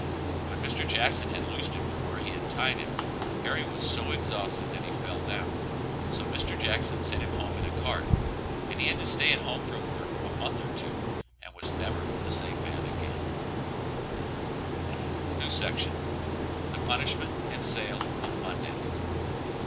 When Mr. Jackson had loosed him from where he had tied him, Harry was so exhausted that he fell down, so Mr. Jackson sent him home in a cart, and he had to stay at home from work a month or two, and was never the same man again. THE PUNISHMENT AND SALE OF MONDAY.